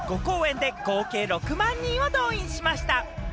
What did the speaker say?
５公演で合計６万人を動員しました。